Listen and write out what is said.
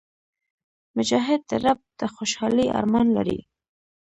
مجاهد د رب د خوشحالۍ ارمان لري.